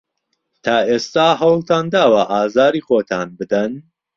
تا ئێستا هەوڵتان داوە ئازاری خۆتان بدەن؟